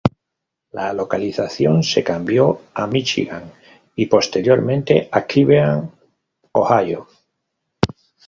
La localización se cambió a Michigan y posteriormente a Cleveland, Ohio.